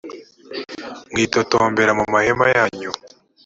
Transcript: mwitotombera mu mahema yanyu